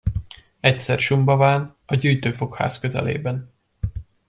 Egyszer Sumbaván, a gyűjtőfogház közelében.